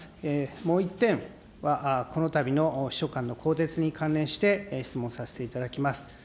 もう１点はこのたびの秘書官の更迭に関連して質問させていただきます。